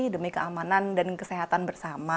demi keamanan dan kesehatan bersama